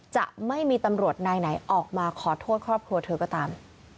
จะไม่มีตำรวจนายไหนออกมาขอโทษครอบครัวเธอก็ตาม